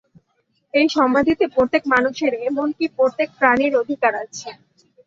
এই সমাধিতে প্রত্যেক মানুষের, এমন কি প্রত্যেক প্রাণীর অধিকার আছে।